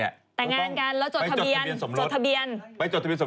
แต่งงานกันแล้วจดทะเบียนสมจดทะเบียนไปจดทะเบียสม